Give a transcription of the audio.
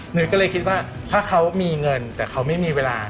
ก็เลยคิดว่าถ้าเขามีเงินแต่เขาไม่มีเวลา